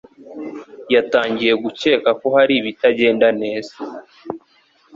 yatangiye gukeka ko hari ibitagenda neza.